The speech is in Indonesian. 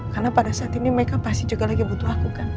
karena pada saat ini mereka pasti juga lagi butuh aku kan